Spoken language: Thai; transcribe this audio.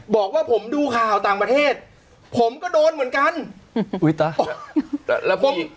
บอกว่าผมดูข่าวต่างประเทศผมก็โดนเหมือนกันอุ้ยตายแล้วผม